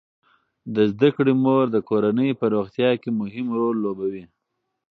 د زده کړې مور د کورنۍ په روغتیا کې مهم رول لوبوي.